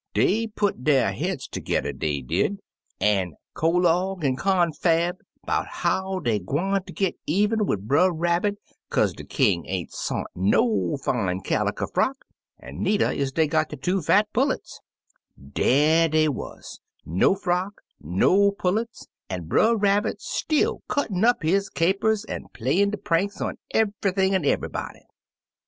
"Dey put der heads tergedder, dey did, 121 Uncle Remus Returns an' collogue an' confab 'bout how dey gwincter git even wid Brer Rabbit, kaze de King ain't sont no fine caliker frock, an' needer is dey got der two fat pullets. Dar dey wuz, no frock, no pullets, an' Brer Rab bit ^till cuttin' up his capers an' pla3rin' his pranks on everything an' eve'ybody.